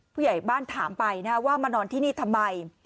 ผู้ใหญ่บ้านถามไปนะว่ามานอนที่นี่ทำไม